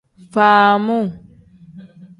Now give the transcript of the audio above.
Faamuu.